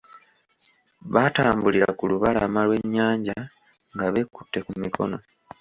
Baatambulira ku lubalama lw'ennyanja nga beekute ku mikono.